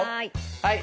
はい。